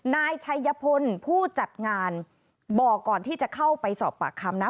นายชัยพลผู้จัดงานบอกก่อนที่จะเข้าไปสอบปากคำนะ